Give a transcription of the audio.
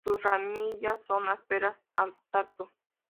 Sus ramillas son ásperas al tacto.